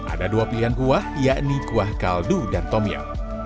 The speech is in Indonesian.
ada dua pilihan kuah yakni kuah kaldu dan tomia